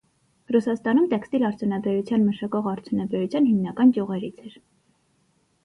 Ռուսաստանում տեքստիլ արդյունանաբերության մշակող արդյունաբերության հիմնական ճյուղերից էր։